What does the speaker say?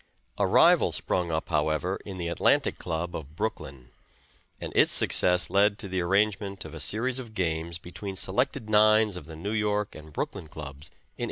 A rival sprung up, however, in the Atlantic Club of Brooklyn, and its success led to the arrangement of a series of games between selected nines of the New York and Brooklyn Clubs in 1858.